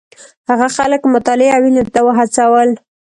هغه خلک مطالعې او علم ته وهڅول.